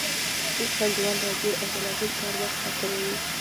اوس پانګوال راځي او د لازم کار وخت راکموي